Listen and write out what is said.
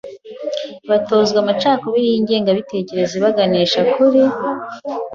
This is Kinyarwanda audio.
batozwa amacakubiri y’ingengabitekerezo ibaganisha kuri